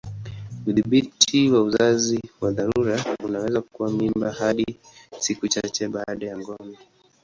Udhibiti wa uzazi wa dharura unaweza kuua mimba hadi siku chache baada ya ngono.